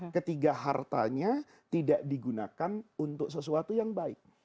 ketiga hartanya tidak digunakan untuk sesuatu yang baik